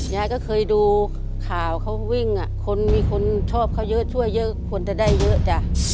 ยายก็เคยดูข่าวเขาวิ่งคนมีคนชอบเขาเยอะช่วยเยอะควรจะได้เยอะจ้ะ